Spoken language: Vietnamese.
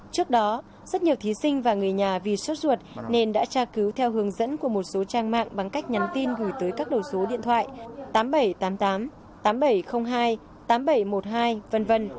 trước đó rất nhiều thí sinh và người nhà vì sốt ruột nên đã tra cứu theo hướng dẫn của một số trang mạng bằng cách nhắn tin gửi tới các đầu số điện thoại tám nghìn bảy trăm tám mươi tám tám nghìn bảy trăm linh hai tám nghìn bảy trăm một mươi hai v v